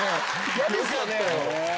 嫌ですよね。